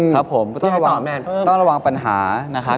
ครับผมก็ต้องระวังปัญหานะครับ